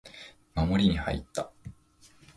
守りに入った